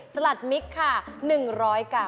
สลัดมิกค่ะ๑๐๐กรัม